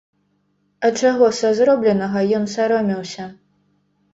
А чаго са зробленага ён саромеўся?